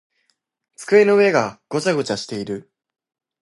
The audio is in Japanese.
机の上がごちゃごちゃしている。